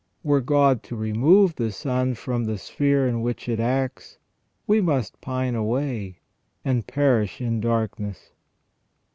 Were God to remove the sun from the sphere in which it acts, we must pine away and perish in darkness.